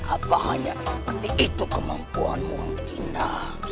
apa hanya seperti itu kemampuanmu cina